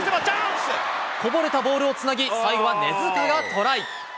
こぼれたボールをつなぎ、最後は根塚がトライ。